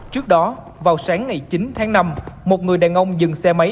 trước đó vào sáng ngày chín tháng năm một người đàn ông dừng xe máy